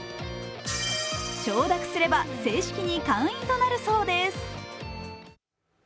承諾すれば、正式に会員となるそうです。